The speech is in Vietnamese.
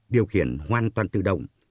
điều khiển hoàn toàn tự động